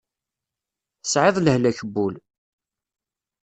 Tesɛiḍ lehlak n wul.